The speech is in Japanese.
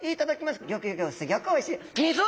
ギョギョギョすギョくおいしい！